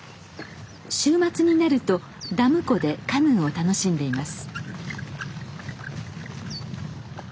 週末になるとダム湖でカヌーを楽しんでいます。